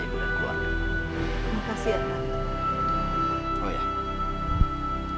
aku mau bawa kamu kembali ke kawah kepada ibu dan keluarga